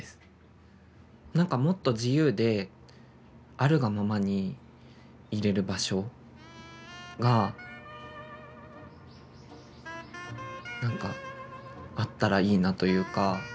なんかもっと自由であるがままにいれる場所がなんかあったらいいなというか。